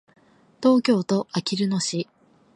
東京都あきる野市